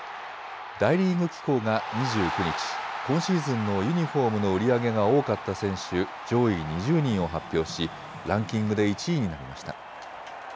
大リーグ機構が２９日、今シーズンのユニフォームの売り上げが多かった選手上位２０人を発表しランキングで１位になりました。